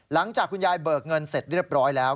หลังจากคุณยายเบิกเงินเสร็จเรียบร้อยแล้ว